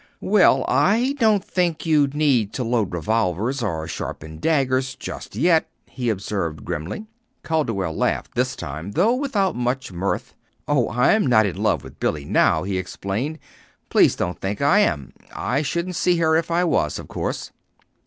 "Well, I don't think you need to load revolvers nor sharpen daggers, just yet," he observed grimly. Calderwell laughed this time, though without much mirth. "Oh, I'm not in love with Billy, now," he explained. "Please don't think I am. I shouldn't see her if I was, of course."